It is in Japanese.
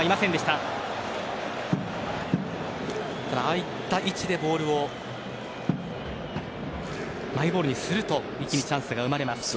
ただ、ああいった位置でマイボールにすると一気にチャンスが生まれます。